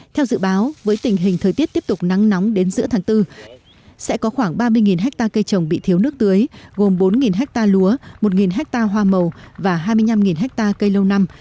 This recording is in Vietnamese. theo dự báo với tình hình thời tiết tiếp tục nắng nóng đến giữa tháng bốn sẽ có khoảng ba mươi hectare cây trồng bị thiếu nước tưới gồm bốn ha lúa một ha hoa màu và hai mươi năm ha cây lâu năm